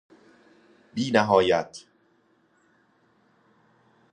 بینهایت